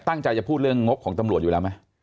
ตั้งใจจะพูดเรื่องงบของตำรวจอยู่แล้วไหม